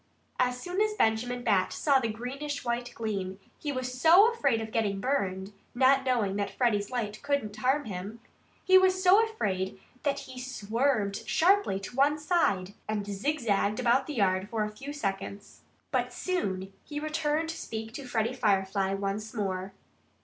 As soon as Benjamin Bat saw the greenish white gleam he was so afraid of getting burned not knowing that Freddie's light could not harm him he was so afraid that he swerved sharply to one side and zigzagged about the yard for a few seconds. But he soon returned to speak to Freddie Firefly once more.